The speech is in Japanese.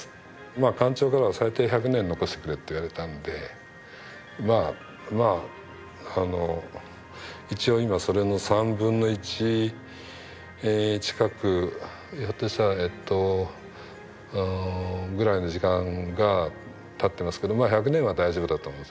館長からは「最低１００年残してくれ」って言われたのでまあまあ一応今それの３分の１近くぐらいの時間がたってますけどまあ１００年は大丈夫だと思うんですね。